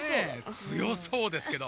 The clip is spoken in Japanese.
つよそうですけど。